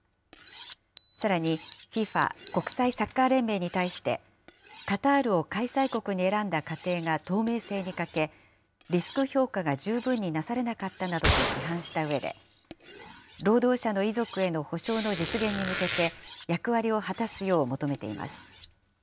さらにＦＩＦＡ・国際サッカー連盟に対して、カタールを開催国に選んだ過程が透明性に欠け、リスク評価が十分になされなかったなどと批判したうえで、労働者の遺族への補償の実現に向けて、役割を果たすよう求めています。